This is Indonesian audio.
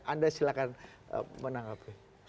anda silahkan menangkapnya